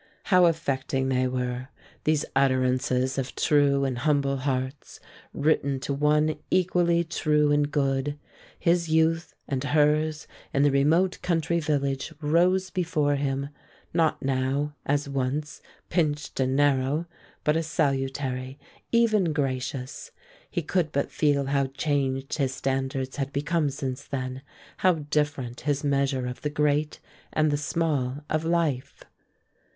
How affecting they were these utterances of true and humble hearts, written to one equally true and good! His youth and hers in the remote country village rose before him; not now, as once, pinched and narrow, but as salutary, even gracious. He could but feel how changed his standards had become since then, how different his measure of the great and the small of life.